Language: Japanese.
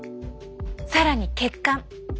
更に血管。